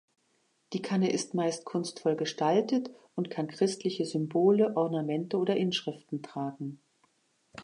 Die Kanne ist meist kunstvoll gestaltet und kann christliche Symbole, Ornamente oder Inschriften tragen.